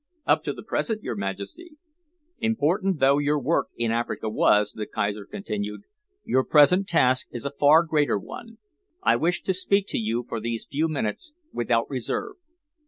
"Up to the present, your Majesty." "Important though your work in Africa was," the Kaiser continued, "your present task is a far greater one. I wish to speak to you for these few minutes without reserve.